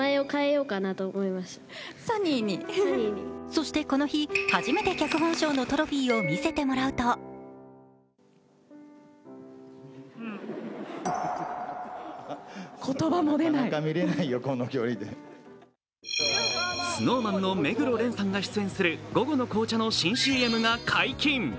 そしてこの日、初めて脚本賞のトロフィーを見せてもらうとＳｎｏｗＭａｎの目黒蓮さんが出演する午後の紅茶の新ＣＭが解禁。